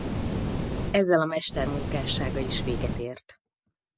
Ezzel a mester munkássága is véget ért.